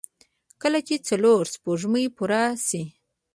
کله چې څلور سپوږمۍ پوره شي.